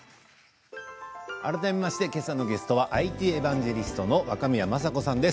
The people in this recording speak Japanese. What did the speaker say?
改めましてきょうのゲストはＩＴエバンジェリストの若宮正子さんです。